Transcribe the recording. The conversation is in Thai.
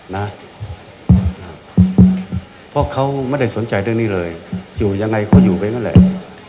นะเพราะเขาไม่ได้สนใจเรื่องนี้เลยอยู่ยังไงก็อยู่ไปนั่นแหละ